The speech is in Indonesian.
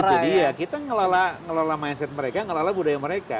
itu dia kita ngelola mindset mereka ngelola budaya mereka